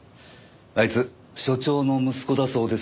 あいつ署長の息子だそうですよ